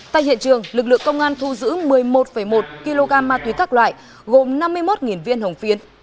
tại hiện trường lực lượng công an thu giữ một mươi một một kg ma túy các loại gồm năm mươi một viên hồng phiến